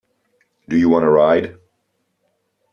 Do You Wanna Ride?